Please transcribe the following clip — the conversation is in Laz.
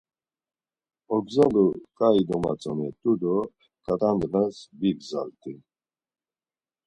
Ogzalu ǩai domatzonet̆u do ǩat̆a ndğas bigzalt̆i.